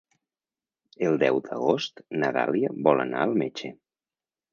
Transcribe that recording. El deu d'agost na Dàlia vol anar al metge.